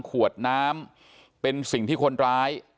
ขวดน้ำเป็นสิ่งที่คนร้าย